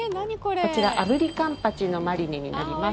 こちら、あぶりカンパチのマリネになります。